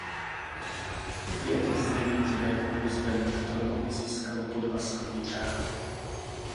Pět z devíti vévodů z Wellingtonu získalo Podvazkový řád.